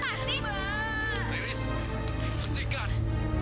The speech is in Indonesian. bapak apa yang terjadi